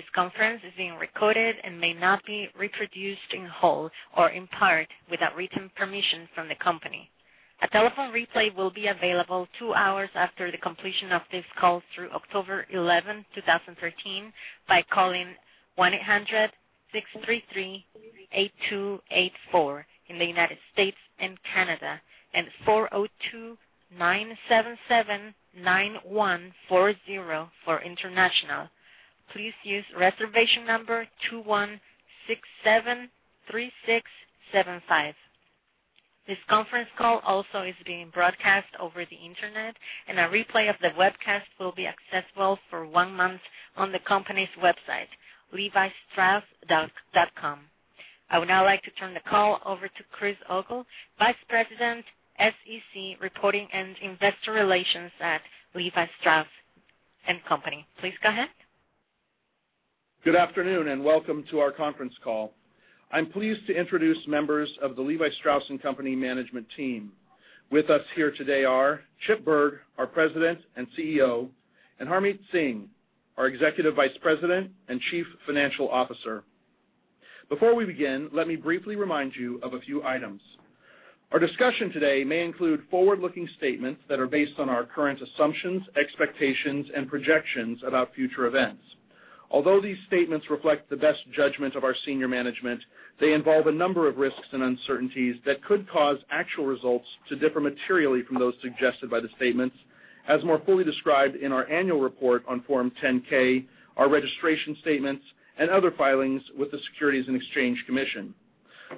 This conference is being recorded and may not be reproduced in whole or in part without written permission from the company. A telephone replay will be available two hours after the completion of this call through October 11, 2013, by calling 1-800-633-8284 in the United States and Canada, and 402-977-9140 for international. Please use reservation number 21673675. This conference call also is being broadcast over the internet, and a replay of the webcast will be accessible for one month on the company's website, levistrauss.com. I would now like to turn the call over to Chris Ogle, Vice President, SEC Reporting and Investor Relations at Levi Strauss & Co. Please go ahead. Good afternoon, and welcome to our conference call. I'm pleased to introduce members of the Levi Strauss & Co management team. With us here today are Chip Bergh, our President and CEO, and Harmit Singh, our Executive Vice President and Chief Financial Officer. Before we begin, let me briefly remind you of a few items. Our discussion today may include forward-looking statements that are based on our current assumptions, expectations, and projections about future events. Although these statements reflect the best judgment of our senior management, they involve a number of risks and uncertainties that could cause actual results to differ materially from those suggested by the statements, as more fully described in our annual report on Form 10-K, our registration statements, and other filings with the Securities and Exchange Commission.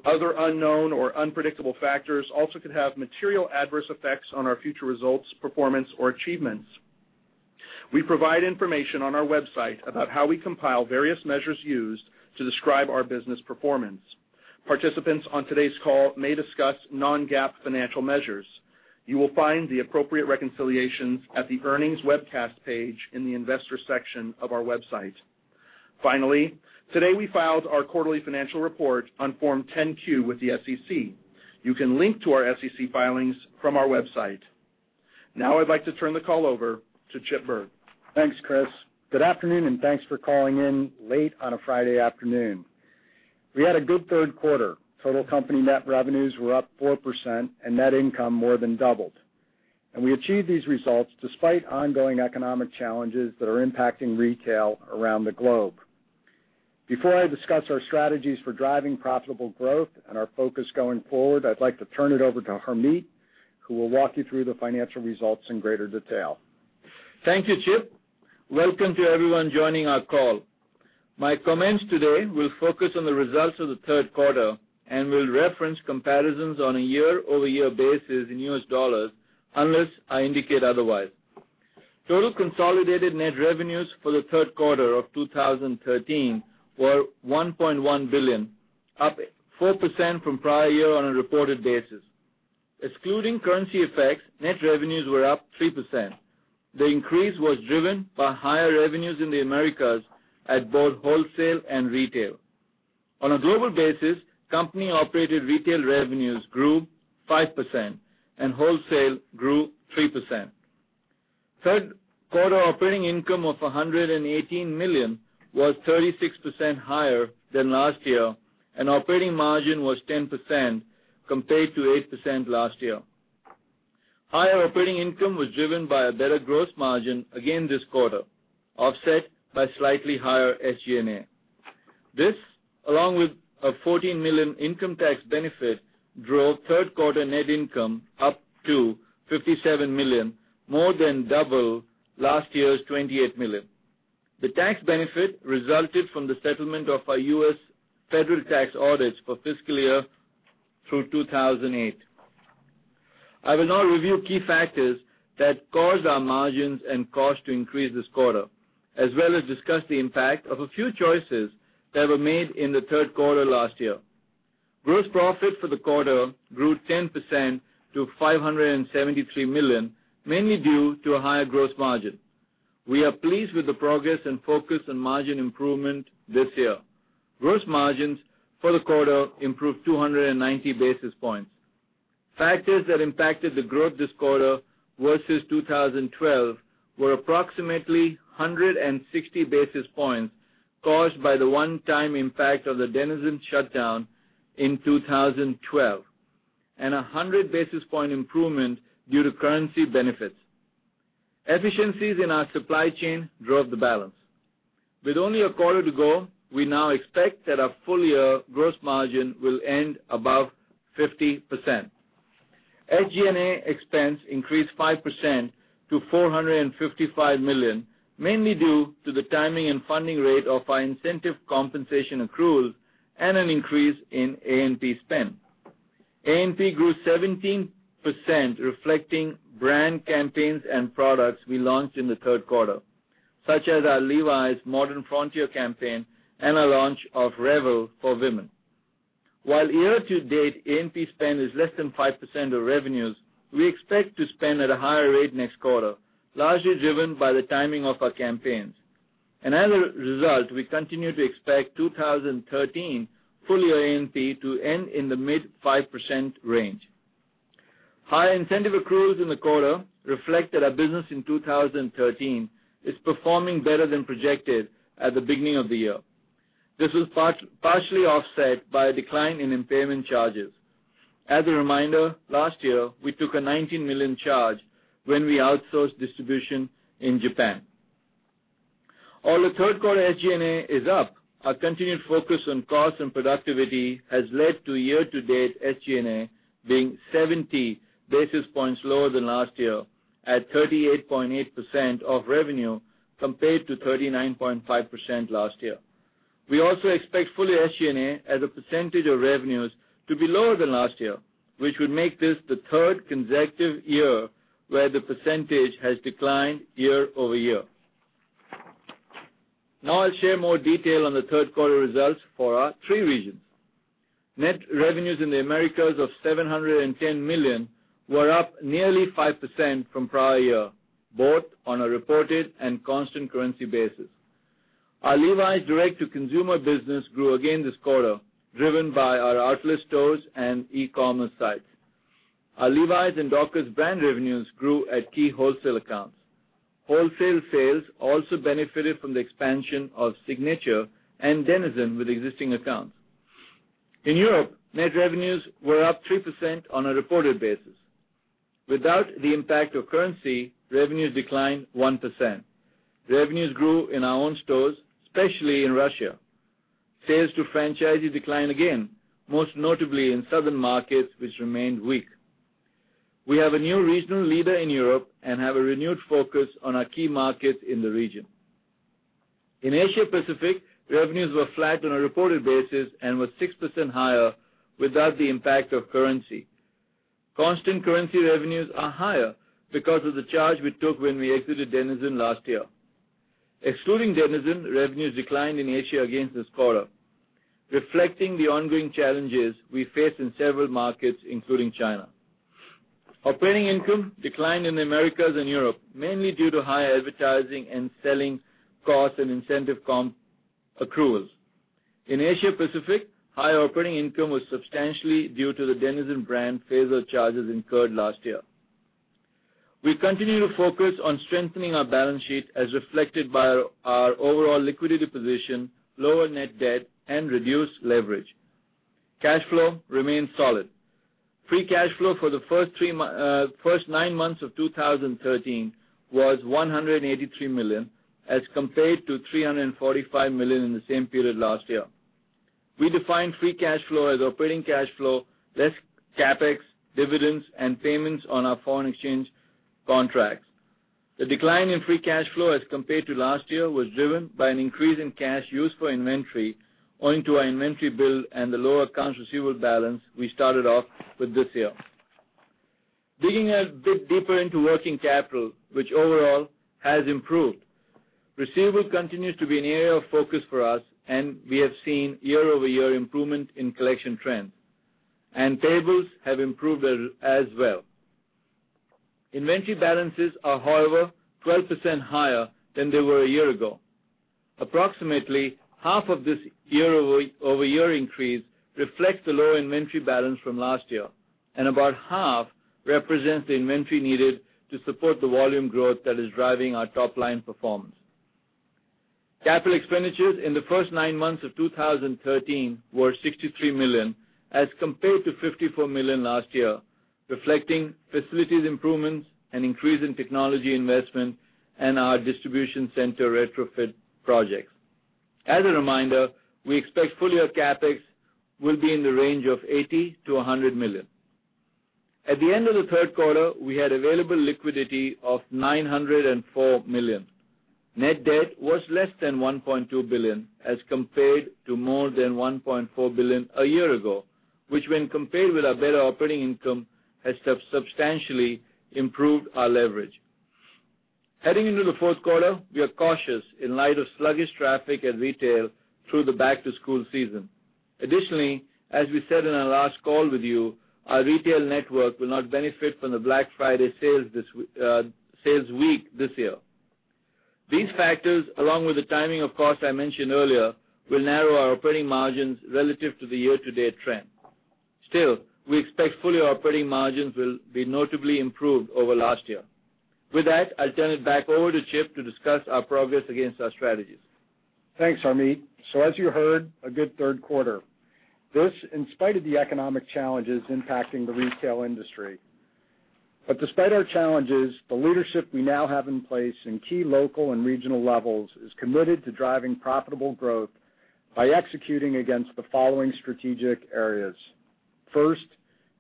Other unknown or unpredictable factors also could have material adverse effects on our future results, performance, or achievements. We provide information on our website about how we compile various measures used to describe our business performance. Participants on today's call may discuss non-GAAP financial measures. You will find the appropriate reconciliations at the earnings webcast page in the investor section of our website. Finally, today we filed our quarterly financial report on Form 10-Q with the SEC. You can link to our SEC filings from our website. I'd like to turn the call over to Chip Bergh. Thanks, Chris. Good afternoon, and thanks for calling in late on a Friday afternoon. We had a good third quarter. Total company net revenues were up 4% and net income more than doubled. We achieved these results despite ongoing economic challenges that are impacting retail around the globe. Before I discuss our strategies for driving profitable growth and our focus going forward, I'd like to turn it over to Harmit, who will walk you through the financial results in greater detail. Thank you, Chip. Welcome to everyone joining our call. My comments today will focus on the results of the third quarter and will reference comparisons on a year-over-year basis in U.S. dollars, unless I indicate otherwise. Total consolidated net revenues for the third quarter of 2013 were $1.1 billion, up 4% from prior year on a reported basis. Excluding currency effects, net revenues were up 3%. The increase was driven by higher revenues in the Americas at both wholesale and retail. On a global basis, company-operated retail revenues grew 5% and wholesale grew 3%. Third quarter operating income of $118 million was 36% higher than last year, and operating margin was 10% compared to 8% last year. Higher operating income was driven by a better gross margin again this quarter, offset by slightly higher SG&A. This, along with a $14 million income tax benefit, drove third quarter net income up to $57 million, more than double last year's $28 million. The tax benefit resulted from the settlement of our U.S. federal tax audits for fiscal year through 2008. I will now review key factors that caused our margins and cost to increase this quarter, as well as discuss the impact of a few choices that were made in the third quarter last year. Gross profit for the quarter grew 10% to $573 million, mainly due to a higher gross margin. We are pleased with the progress and focus on margin improvement this year. Gross margins for the quarter improved 290 basis points. Factors that impacted the growth this quarter versus 2012 were approximately 160 basis points caused by the one-time impact of the DENIZEN shutdown in 2012 and a 100 basis point improvement due to currency benefits. Efficiencies in our supply chain drove the balance. With only a quarter to go, we now expect that our full year gross margin will end above 50%. SG&A expense increased 5% to $455 million, mainly due to the timing and funding rate of our incentive compensation accruals and an increase in A&P spend. A&P grew 17%, reflecting brand campaigns and products we launched in the third quarter, such as our Levi's Modern Frontier campaign and our launch of REVEL for women. While year-to-date A&P spend is less than 5% of revenues, we expect to spend at a higher rate next quarter, largely driven by the timing of our campaigns. As a result, we continue to expect 2013 full-year A&P to end in the mid-5% range. High incentive accruals in the quarter reflect that our business in 2013 is performing better than projected at the beginning of the year. This was partially offset by a decline in impairment charges. As a reminder, last year, we took a $19 million charge when we outsourced distribution in Japan. Although third quarter SG&A is up, our continued focus on cost and productivity has led to year-to-date SG&A being 70 basis points lower than last year at 38.8% of revenue, compared to 39.5% last year. We also expect full-year SG&A as a percentage of revenues to be lower than last year, which would make this the third consecutive year where the percentage has declined year-over-year. Now I'll share more detail on the third quarter results for our three regions. Net revenues in the Americas of $710 million were up nearly 5% from prior year, both on a reported and constant currency basis. Our Levi's direct-to-consumer business grew again this quarter, driven by our outlet stores and e-commerce sites. Our Levi's and Dockers brand revenues grew at key wholesale accounts. Wholesale sales also benefited from the expansion of Signature and DENIZEN with existing accounts. In Europe, net revenues were up 3% on a reported basis. Without the impact of currency, revenues declined 1%. Revenues grew in our own stores, especially in Russia. Sales to franchisees declined again, most notably in southern markets, which remained weak. We have a new regional leader in Europe and have a renewed focus on our key markets in the region. In Asia-Pacific, revenues were flat on a reported basis and were 6% higher without the impact of currency. Constant currency revenues are higher because of the charge we took when we exited DENIZEN last year. Excluding DENIZEN, revenues declined in Asia again this quarter, reflecting the ongoing challenges we face in several markets, including China. Operating income declined in the Americas and Europe, mainly due to high advertising and selling costs and incentive comp accruals. In Asia-Pacific, higher operating income was substantially due to the DENIZEN brand phase-out charges incurred last year. We continue to focus on strengthening our balance sheet as reflected by our overall liquidity position, lower net debt, and reduced leverage. Cash flow remains solid. Free cash flow for the first nine months of 2013 was $183 million, as compared to $345 million in the same period last year. We define free cash flow as operating cash flow less CapEx, dividends, and payments on our foreign exchange contracts. The decline in free cash flow as compared to last year was driven by an increase in cash used for inventory owing to our inventory build and the lower accounts receivable balance we started off with this year. Digging a bit deeper into working capital, which overall has improved. Receivable continues to be an area of focus for us, and we have seen year-over-year improvement in collection trends, and payables have improved as well. Inventory balances are, however, 12% higher than they were a year ago. Approximately half of this year-over-year increase reflects the lower inventory balance from last year, and about half represents the inventory needed to support the volume growth that is driving our top-line performance. Capital expenditures in the first nine months of 2013 were $63 million, as compared to $54 million last year, reflecting facilities improvements and increase in technology investment and our distribution center retrofit projects. As a reminder, we expect full-year CapEx will be in the range of $80 million-$100 million. At the end of the third quarter, we had available liquidity of $904 million. Net debt was less than $1.2 billion, as compared to more than $1.4 billion a year ago, which when compared with our better operating income, has substantially improved our leverage. Heading into the fourth quarter, we are cautious in light of sluggish traffic at retail through the back-to-school season. Additionally, as we said in our last call with you, our retail network will not benefit from the Black Friday sales week this year. These factors, along with the timing of costs I mentioned earlier, will narrow our operating margins relative to the year-to-date trend. Still, we expect full-year operating margins will be notably improved over last year. With that, I'll turn it back over to Chip to discuss our progress against our strategies. Thanks, Harmit. As you heard, a good third quarter. This in spite of the economic challenges impacting the retail industry. Despite our challenges, the leadership we now have in place in key local and regional levels is committed to driving profitable growth by executing against the following strategic areas. First,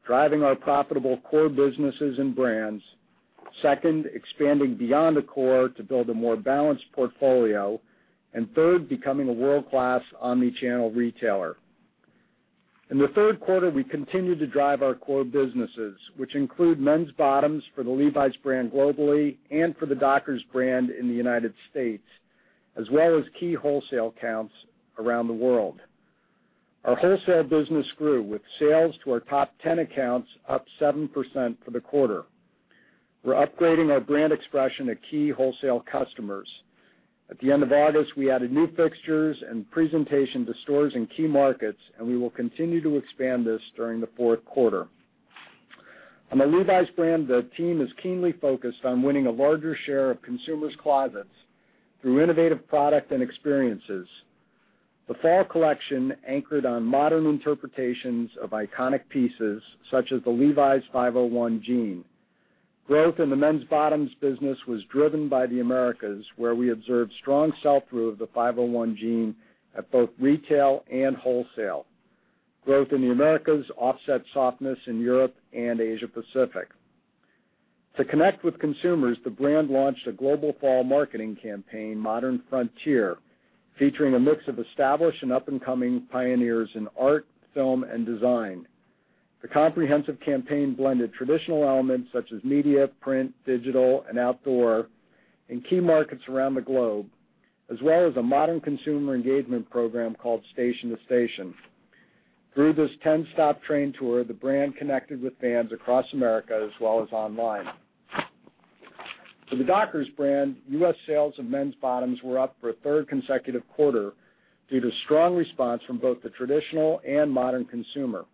driving our profitable core businesses and brands. Second, expanding beyond the core to build a more balanced portfolio. Third, becoming a world-class omni-channel retailer. In the third quarter, we continued to drive our core businesses, which include men's bottoms for the Levi's brand globally and for the Dockers brand in the United States, as well as key wholesale accounts around the world. Our wholesale business grew, with sales to our top 10 accounts up 7% for the quarter. We're upgrading our brand expression to key wholesale customers. At the end of August, we added new fixtures and presentation to stores in key markets, and we will continue to expand this during the fourth quarter. On the Levi's brand, the team is keenly focused on winning a larger share of consumers' closets through innovative product and experiences. The fall collection anchored on modern interpretations of iconic pieces, such as the Levi's 501 Jean. Growth in the men's bottoms business was driven by the Americas, where we observed strong sell-through of the 501 Jean at both retail and wholesale. Growth in the Americas offset softness in Europe and Asia-Pacific. To connect with consumers, the brand launched a global fall marketing campaign, Modern Frontier, featuring a mix of established and up-and-coming pioneers in art, film, and design. The comprehensive campaign blended traditional elements such as media, print, digital, and outdoor in key markets around the globe, as well as a modern consumer engagement program called Station to Station. Through this 10-stop train tour, the brand connected with fans across America as well as online. For the Dockers brand, U.S. sales of men's bottoms were up for a third consecutive quarter due to strong response from both the traditional and modern consumer.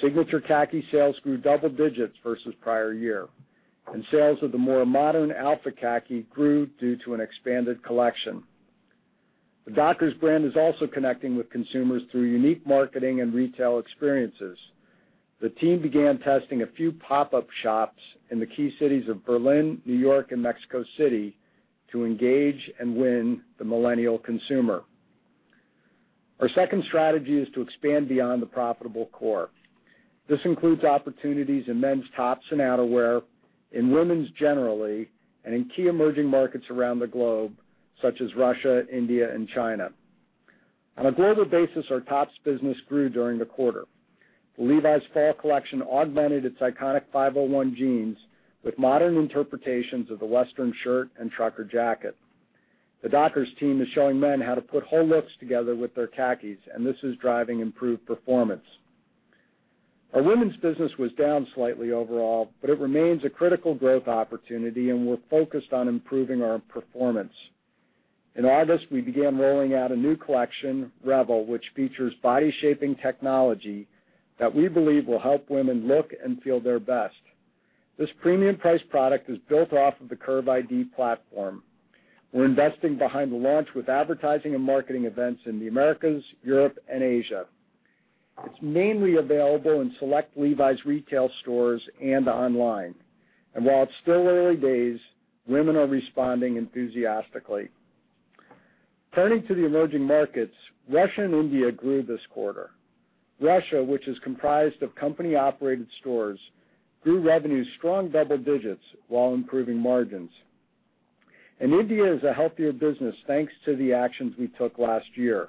Signature Khaki sales grew double digits versus prior year, and sales of the more modern Alpha Khaki grew due to an expanded collection. The Dockers brand is also connecting with consumers through unique marketing and retail experiences. The team began testing a few pop-up shops in the key cities of Berlin, New York, and Mexico City to engage and win the millennial consumer. Our second strategy is to expand beyond the profitable core. This includes opportunities in men's tops and outerwear, in women's generally, and in key emerging markets around the globe, such as Russia, India, and China. On a global basis, our tops business grew during the quarter. Levi's fall collection augmented its iconic 501 Jeans with modern interpretations of the Western shirt and trucker jacket. The Dockers team is showing men how to put whole looks together with their khakis, and this is driving improved performance. Our women's business was down slightly overall, but it remains a critical growth opportunity, and we're focused on improving our performance. In August, we began rolling out a new collection, REVEL, which features body-shaping technology that we believe will help women look and feel their best. This premium price product is built off of the Curve ID platform. We're investing behind the launch with advertising and marketing events in the Americas, Europe, and Asia. It's mainly available in select Levi's retail stores and online. While it's still early days, women are responding enthusiastically. Turning to the emerging markets, Russia and India grew this quarter. Russia, which is comprised of company-operated stores, grew revenue strong double digits while improving margins. India is a healthier business, thanks to the actions we took last year.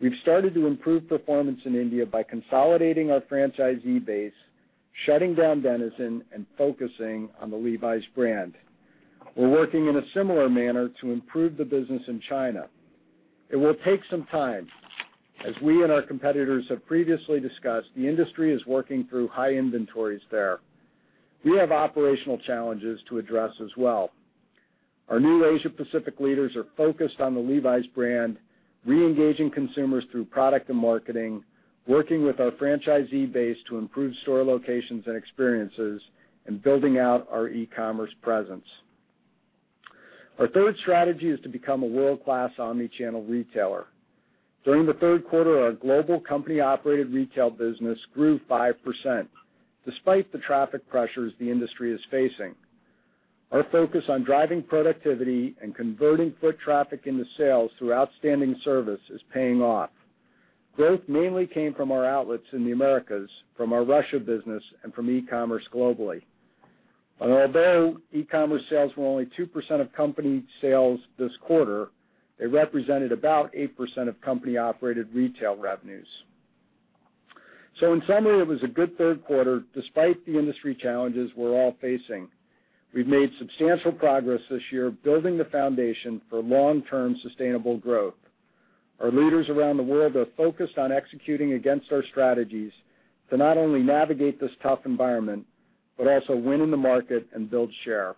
We've started to improve performance in India by consolidating our franchisee base, shutting down DENIZEN, and focusing on the Levi's brand. We're working in a similar manner to improve the business in China. It will take some time. As we and our competitors have previously discussed, the industry is working through high inventories there. We have operational challenges to address as well. Our new Asia-Pacific leaders are focused on the Levi's brand, re-engaging consumers through product and marketing, working with our franchisee base to improve store locations and experiences, and building out our e-commerce presence. Our third strategy is to become a world-class omni-channel retailer. During the third quarter, our global company-operated retail business grew 5%, despite the traffic pressures the industry is facing. Our focus on driving productivity and converting foot traffic into sales through outstanding service is paying off. Growth mainly came from our outlets in the Americas, from our Russia business, and from e-commerce globally. Although e-commerce sales were only 2% of company sales this quarter, they represented about 8% of company-operated retail revenues. In summary, it was a good third quarter, despite the industry challenges we're all facing. We've made substantial progress this year building the foundation for long-term sustainable growth. Our leaders around the world are focused on executing against our strategies to not only navigate this tough environment, but also win in the market and build share.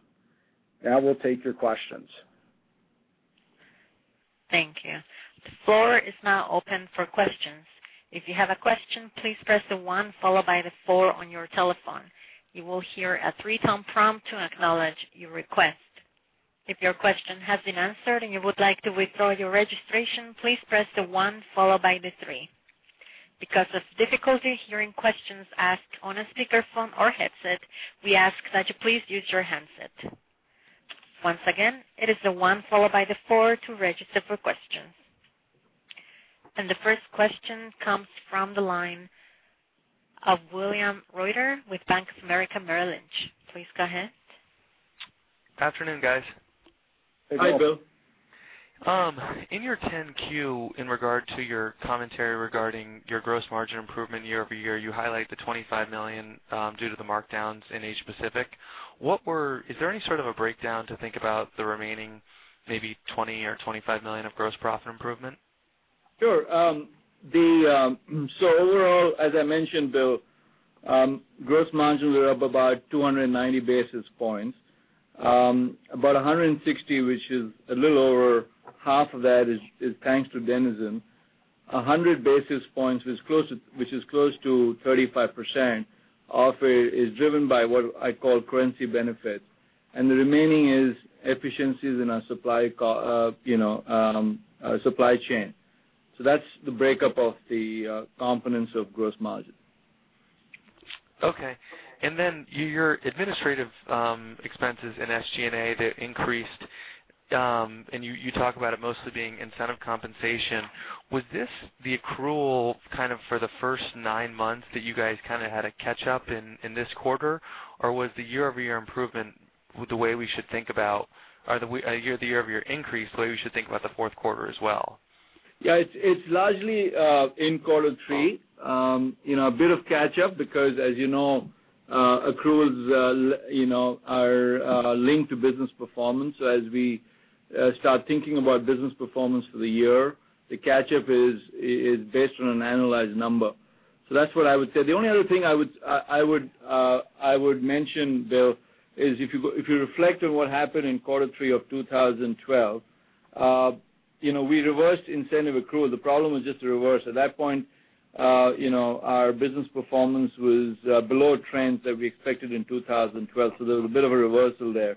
Now we'll take your questions. Thank you. The floor is now open for questions. If you have a question, please press the one followed by the four on your telephone. You will hear a three-tone prompt to acknowledge your request. If your question has been answered and you would like to withdraw your registration, please press the one followed by the three. Because of difficulty hearing questions asked on a speakerphone or headset, we ask that you please use your handset. Once again, it is the one followed by the four to register for questions. The first question comes from the line of William Reuter with Bank of America Merrill Lynch. Please go ahead. Good afternoon, guys. Hi, Bill. In your 10-Q, in regard to your commentary regarding your gross margin improvement year-over-year, you highlight the $25 million due to the markdowns in Asia-Pacific. Is there any sort of a breakdown to think about the remaining maybe $20 million or $25 million of gross profit improvement? Sure. Overall, as I mentioned, Bill, gross margins were up about 290 basis points. About 160, which is a little over half of that, is thanks to DENIZEN. 100 basis points, which is close to 35%, of it is driven by what I call currency benefit. The remaining is efficiencies in our supply chain. That's the breakup of the components of gross margin. Okay. Your administrative expenses in SG&A, they increased, and you talk about it mostly being incentive compensation. Was this the accrual for the first nine months that you guys had to catch up in this quarter? Was the year-over-year increase the way we should think about the fourth quarter as well? Yeah. It's largely in quarter three. A bit of catch-up because, as you know, accruals are linked to business performance. As we start thinking about business performance for the year, the catch-up is based on an annualized number. That's what I would say. The only other thing I would mention, Bill, is if you reflect on what happened in quarter three of 2012, we reversed incentive accrual. The problem was just the reverse. At that point, our business performance was below trends that we expected in 2012. There was a bit of a reversal there.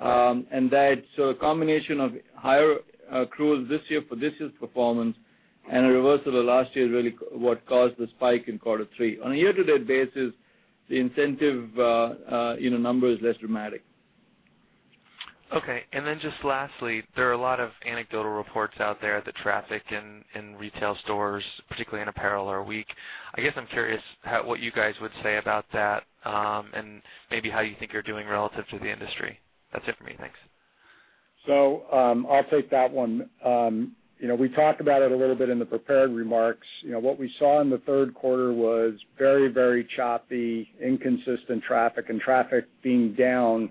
A combination of higher accruals this year for this year's performance and a reversal of last year is really what caused the spike in quarter three. On a year-to-date basis, the incentive number is less dramatic. Okay. Just lastly, there are a lot of anecdotal reports out there that traffic in retail stores, particularly in apparel, are weak. I guess I'm curious what you guys would say about that, and maybe how you think you're doing relative to the industry. That's it for me. Thanks. I'll take that one. We talked about it a little bit in the prepared remarks. What we saw in the third quarter was very, very choppy, inconsistent traffic being down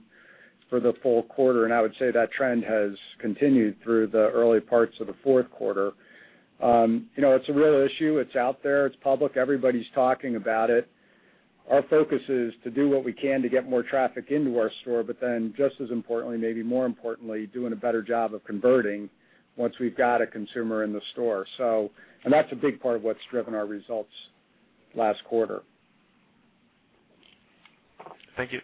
for the full quarter. I would say that trend has continued through the early parts of the fourth quarter. It's a real issue. It's out there. It's public. Everybody's talking about it. Our focus is to do what we can to get more traffic into our store. Just as importantly, maybe more importantly, doing a better job of converting once we've got a consumer in the store. That's a big part of what's driven our results last quarter. Thank you.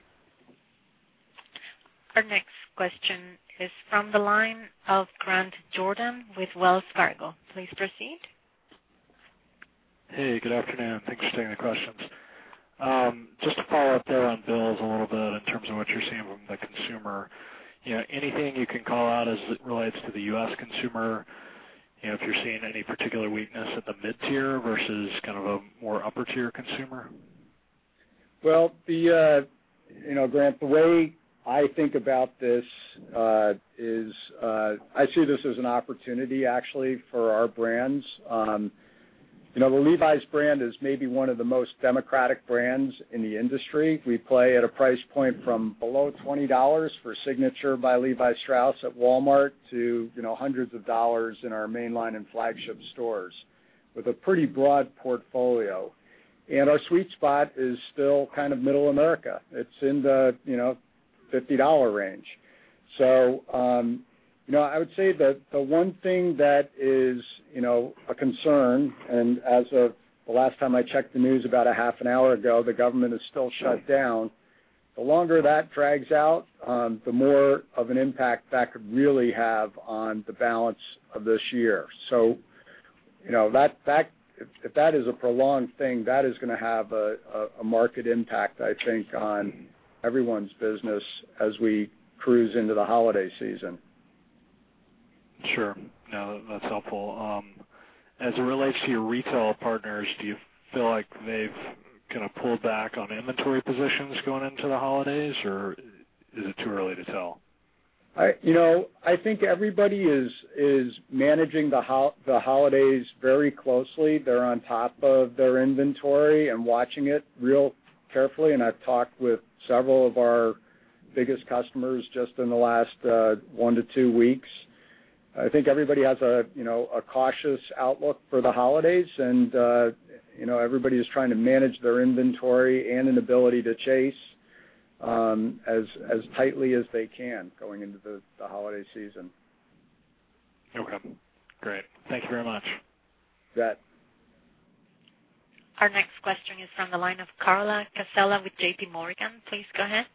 Our next question is from the line of Grant Jordan with Wells Fargo. Please proceed. Hey, good afternoon. Thanks for taking the questions. Just to follow up there on Bill's a little bit in terms of what you're seeing from the consumer. Anything you can call out as it relates to the U.S. consumer? If you're seeing any particular weakness at the mid-tier versus a more upper-tier consumer? Grant, the way I think about this is I see this as an opportunity, actually, for our brands. The Levi's brand is maybe one of the most democratic brands in the industry. We play at a price point from below $20 for Signature by Levi Strauss at Walmart to hundreds of dollars in our mainline and flagship stores with a pretty broad portfolio. Our sweet spot is still middle America. It's in the $50 range. I would say that the one thing that is a concern, and as of the last time I checked the news about a half an hour ago, the government is still shut down. The longer that drags out, the more of an impact that could really have on the balance of this year. If that is a prolonged thing, that is going to have a market impact, I think, on everyone's business as we cruise into the holiday season. Sure. No, that's helpful. As it relates to your retail partners, do you feel like they've pulled back on inventory positions going into the holidays, or is it too early to tell? I think everybody is managing the holidays very closely. They're on top of their inventory and watching it real carefully. I've talked with several of our biggest customers just in the last one to two weeks. I think everybody has a cautious outlook for the holidays, and everybody is trying to manage their inventory and an ability to chase as tightly as they can going into the holiday season. No problem. Great. Thank you very much. You bet. Our next question is from the line of Carla Casella with JPMorgan. Please go ahead.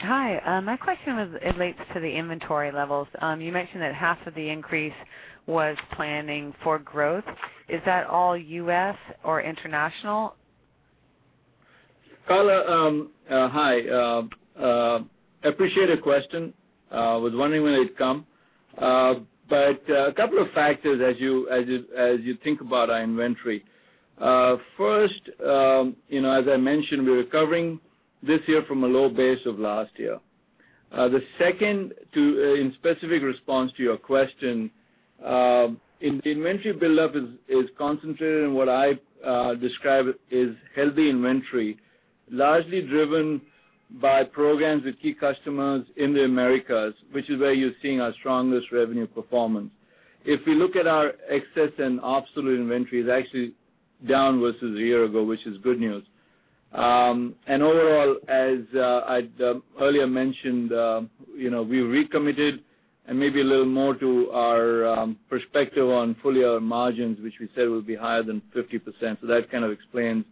Hi. My question relates to the inventory levels. You mentioned that half of the increase was planning for growth. Is that all U.S. or international? Carla, hi. Appreciate the question. Was wondering when it'd come. A couple of factors as you think about our inventory. First, as I mentioned, we're recovering this year from a low base of last year. The second, in specific response to your question, inventory buildup is concentrated in what I describe is healthy inventory, largely driven by programs with key customers in the Americas, which is where you're seeing our strongest revenue performance. If we look at our excess and obsolete inventory, it's actually down versus a year ago, which is good news. Overall, as I earlier mentioned, we recommitted and maybe a little more to our perspective on full-year margins, which we said will be higher than 50%. That kind of explains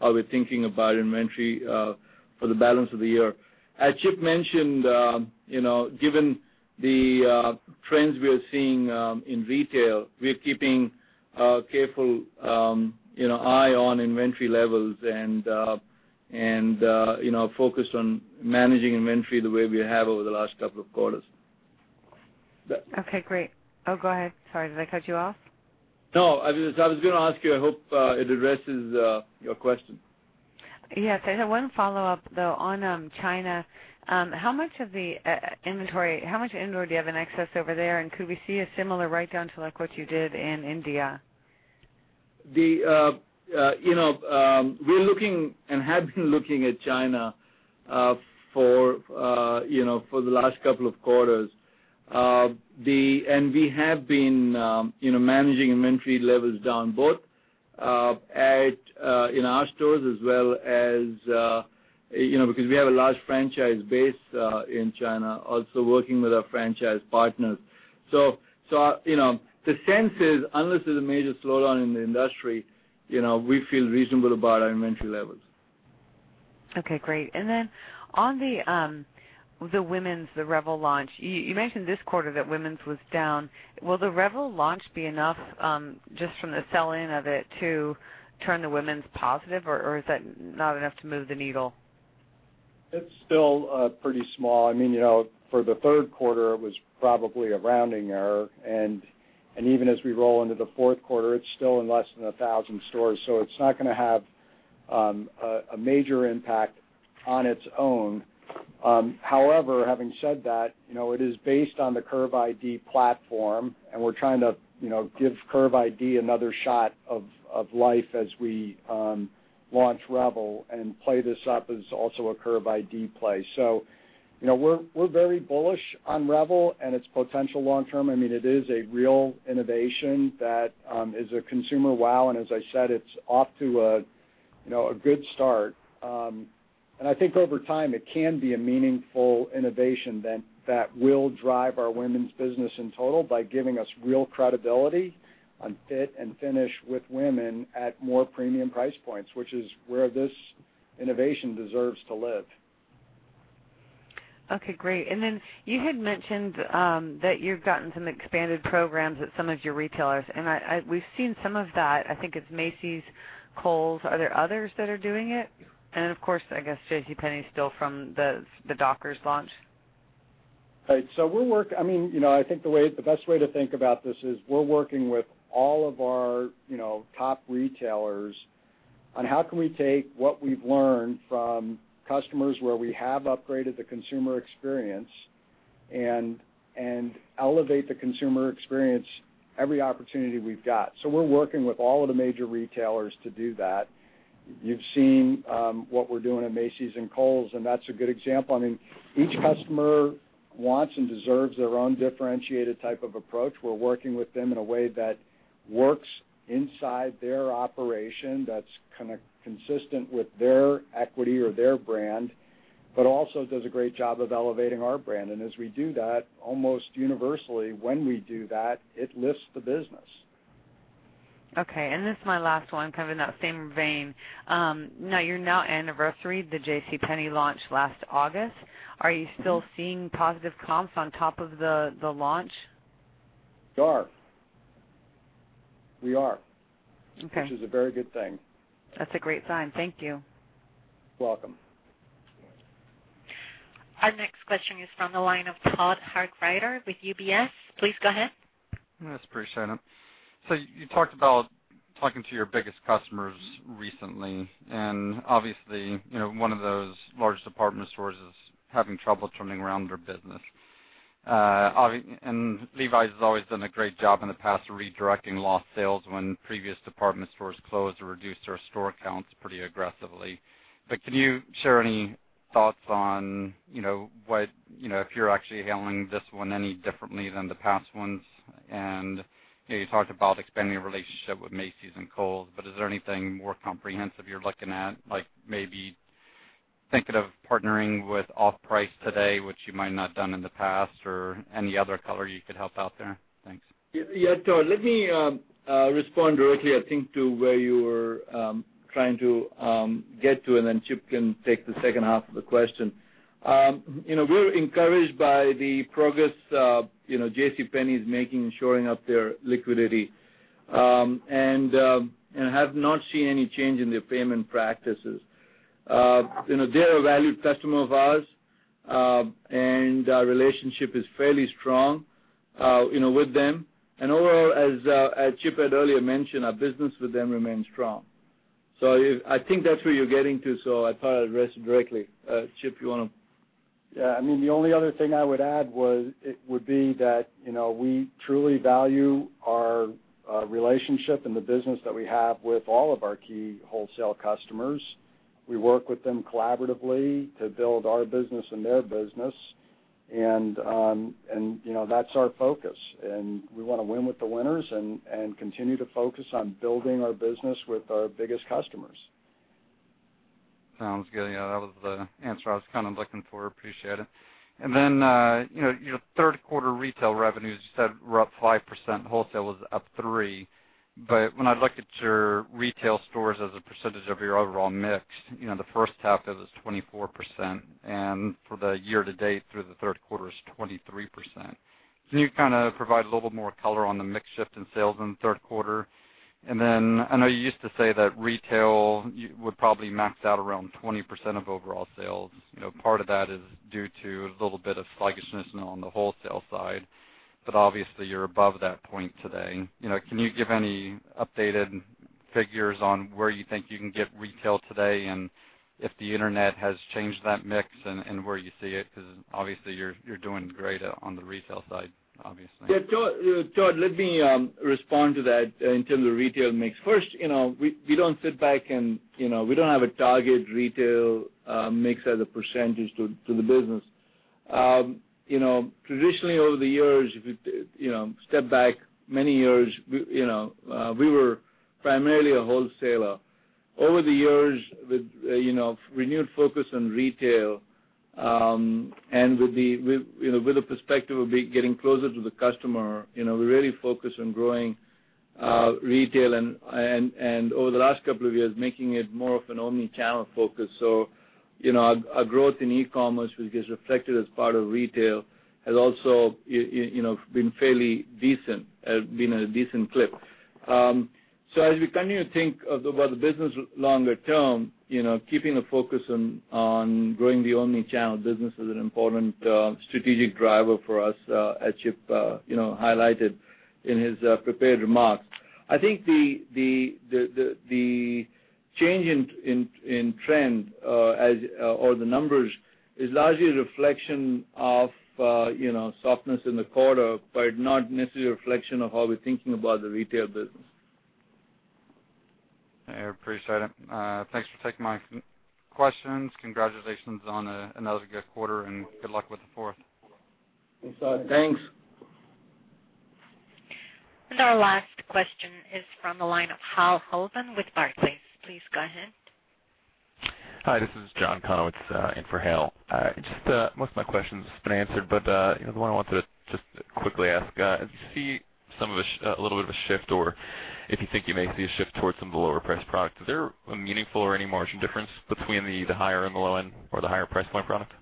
how we're thinking about inventory for the balance of the year. As Chip mentioned, given the trends we are seeing in retail, we're keeping a careful eye on inventory levels and focused on managing inventory the way we have over the last couple of quarters. Okay, great. Oh, go ahead. Sorry, did I cut you off? No, I was going to ask you. I hope it addresses your question. Yes. I have one follow-up, though, on China. How much inventory do you have in excess over there, and could we see a similar write-down to what you did in India? We're looking and have been looking at China for the last couple of quarters. We have been managing inventory levels down both in our stores as well as, because we have a large franchise base in China, also working with our franchise partners. The sense is, unless there's a major slowdown in the industry, we feel reasonable about our inventory levels. Okay, great. On the women's, the REVEL launch, you mentioned this quarter that women's was down. Will the REVEL launch be enough just from the sell-in of it to turn the women's positive or is that not enough to move the needle? It's still pretty small. For the third quarter, it was probably a rounding error. Even as we roll into the fourth quarter, it's still in less than 1,000 stores, so it's not going to have a major impact on its own. However, having said that, it is based on the Curve ID platform, and we're trying to give Curve ID another shot of life as we launch REVEL and play this up as also a Curve ID play. We're very bullish on REVEL and its potential long term. It is a real innovation that is a consumer wow, and as I said, it's off to a good start. I think over time, it can be a meaningful innovation that will drive our women's business in total by giving us real credibility on fit and finish with women at more premium price points, which is where this innovation deserves to live. Okay, great. You had mentioned that you've gotten some expanded programs at some of your retailers, and we've seen some of that. I think it's Macy's, Kohl's. Are there others that are doing it? Of course, I guess JCPenney still from the Dockers launch. Right. I think the best way to think about this is we're working with all of our top retailers on how can we take what we've learned from customers where we have upgraded the consumer experience and elevate the consumer experience every opportunity we've got. We're working with all of the major retailers to do that. You've seen what we're doing at Macy's and Kohl's, and that's a good example. Each customer wants and deserves their own differentiated type of approach. We're working with them in a way that works inside their operation that's consistent with their equity or their brand, but also does a great job of elevating our brand. As we do that, almost universally, when we do that, it lifts the business. Okay. This is my last one, kind of in that same vein. Now you're now anniversary the JCPenney launch last August. Are you still seeing positive comps on top of the launch? We are. Okay. Which is a very good thing. That's a great sign. Thank you. Welcome. Our next question is from the line of Todd Harkrider with UBS. Please go ahead. Yes, appreciate it. You talked about talking to your biggest customers recently, obviously, one of those large department stores is having trouble turning around their business. Levi's has always done a great job in the past of redirecting lost sales when previous department stores closed or reduced their store counts pretty aggressively. Can you share any thoughts on if you're actually handling this one any differently than the past ones? You talked about expanding your relationship with Macy's and Kohl's, is there anything more comprehensive you're looking at, like maybe thinking of partnering with off-price today, which you might not done in the past, or any other color you could help out there? Thanks. Yeah. Todd, let me respond directly, I think, to where you were trying to get to, then Chip can take the second half of the question. We're encouraged by the progress JCPenney's making in shoring up their liquidity. Have not seen any change in their payment practices. They're a valued customer of ours, and our relationship is fairly strong with them. Overall, as Chip had earlier mentioned, our business with them remains strong. I think that's where you're getting to, so I thought I'd address it directly. Chip, you want to? Yeah. The only other thing I would add would be that we truly value our relationship and the business that we have with all of our key wholesale customers. We work with them collaboratively to build our business and their business. That's our focus, we want to win with the winners, and continue to focus on building our business with our biggest customers. Sounds good. Yeah, that was the answer I was kind of looking for. Appreciate it. Your third quarter retail revenues, you said, were up 5%, wholesale was up 3%. When I look at your retail stores as a percentage of your overall mix, the first half of it is 24%, and for the year to date through the third quarter is 23%. Can you kind of provide a little more color on the mix shift in sales in the third quarter? I know you used to say that retail would probably max out around 20% of overall sales. Part of that is due to a little bit of sluggishness on the wholesale side, obviously, you're above that point today. Can you give any updated figures on where you think you can get retail today, and if the internet has changed that mix and where you see it? Obviously you're doing great on the retail side. Yeah, Todd, let me respond to that in terms of retail mix. First, we don't sit back and we don't have a target retail mix as a percentage to the business. Traditionally, over the years, if you step back many years, we were primarily a wholesaler. Over the years, with renewed focus on retail, and with the perspective of getting closer to the customer, we're really focused on growing retail and, over the last couple of years, making it more of an omni-channel focus. Our growth in e-commerce, which gets reflected as part of retail, has also been fairly decent, been at a decent clip. As we continue to think about the business longer term, keeping a focus on growing the omni-channel business is an important strategic driver for us, as Chip highlighted in his prepared remarks. I think the change in trend or the numbers is largely a reflection of softness in the quarter, but not necessarily a reflection of how we're thinking about the retail business. I appreciate it. Thanks for taking my questions. Congratulations on another good quarter, and good luck with the fourth. Thanks. Our last question is from the line of Hale Holden with Barclays. Please go ahead. Hi, this is John O'Connor in for Hale. Most of my questions have been answered, but the one I wanted to just quickly ask, as you see a little bit of a shift, or if you think you may see a shift towards some of the lower priced product, is there a meaningful or any margin difference between the higher and the low end or the higher price point product?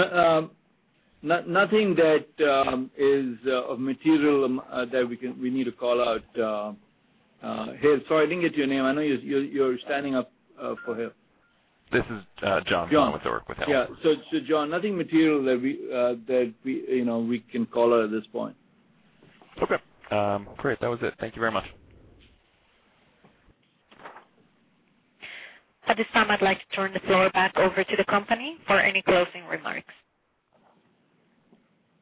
Nothing that is of material that we need to call out. Hale, sorry, I didn't get your name. I know you're standing up for Hale. This is John O'Connor. Yeah. John, nothing material that we can call out at this point. Okay. Great. That was it. Thank you very much. At this time, I'd like to turn the floor back over to the company for any closing remarks.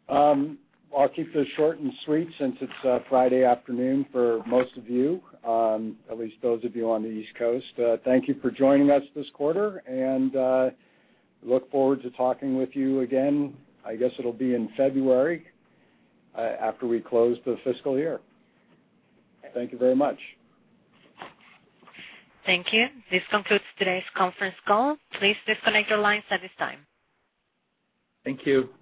Well, I'll keep this short and sweet since it's Friday afternoon for most of you, at least those of you on the East Coast. Thank you for joining us this quarter, and look forward to talking with you again. I guess it'll be in February, after we close the fiscal year. Thank you very much. Thank you. This concludes today's conference call. Please disconnect your lines at this time. Thank you.